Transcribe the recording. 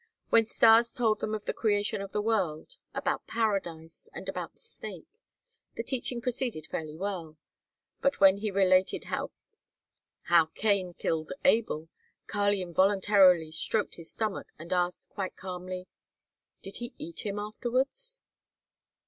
When Stas told them of the creation of the world, about paradise and about the snake, the teaching proceeded fairly well, but when he related how Cain killed Abel, Kali involuntarily stroked his stomach and asked quite calmly: "Did he eat him afterwards?"